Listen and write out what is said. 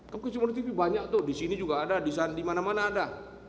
kamera cctv banyak tuh disini juga ada dimana mana ada